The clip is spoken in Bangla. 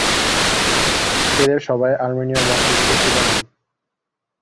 এদের সবাই আর্মেনীয় বংশোদ্ভূত ছিল না।